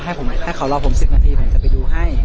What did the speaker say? ให้ผมให้เขารอผมสิบนาทีผมจะไปดูให้